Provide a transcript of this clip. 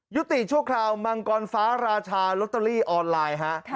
ชั่วคราวมังกรฟ้าราชาลอตเตอรี่ออนไลน์ฮะ